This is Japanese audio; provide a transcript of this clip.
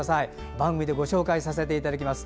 番組でご紹介させていただきます。